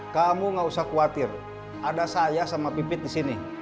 kamu gak usah khawatir ada saya sama pipit disini